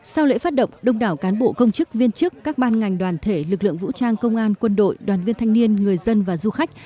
sau lễ phát động đông đảo cán bộ công chức viên chức các ban ngành đoàn thể lực lượng vũ trang công an quân đội đoàn viên thanh niên người dân và du khách